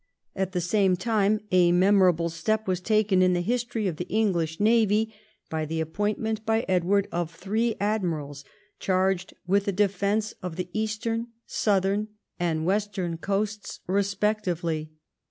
At the same time a memorable step was taken in the history of the English navy, by the appointment by Edward of three Admirals charged with the defence of the eastern, southern, and western coasts respectively.